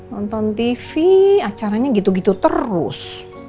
nonton tv acaranya gitu gitu terus